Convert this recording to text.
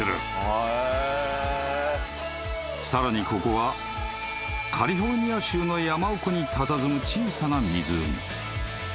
［さらにここはカリフォルニア州の山奥にたたずむ小さな湖］